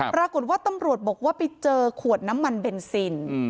ปรากฏว่าตำรวจบอกว่าไปเจอขวดน้ำมันเบนซิน